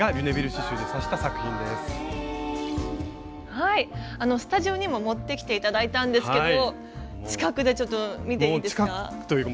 はいスタジオにも持ってきて頂いたんですけど近くで見ていいですか？